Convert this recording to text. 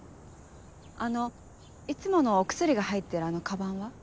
あのいつものお薬が入ってるあのカバンは？